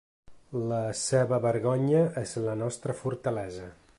La seva vergonya és la nostra fortalesa.